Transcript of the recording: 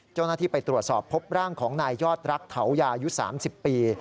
เจ้าหน้าที่ไปตรวจสอบพบร่างของนายยอดรักเถายาอายุ๓๐ปี